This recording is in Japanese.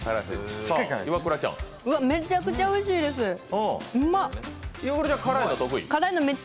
めちゃくちゃおいしいです、うまっ。